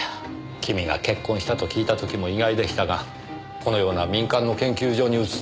君が結婚したと聞いた時も意外でしたがこのような民間の研究所に移っていたとは。